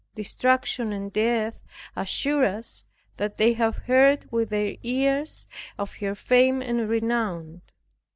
Destruction and death assure us, that they have heard with their ears of her fame and renown.